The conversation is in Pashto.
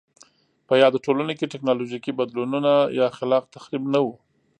په یادو ټولنو کې ټکنالوژیکي بدلونونه یا خلاق تخریب نه و